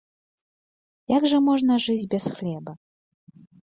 Як жа можна жыць без хлеба?